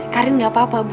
karin gak apa apa bu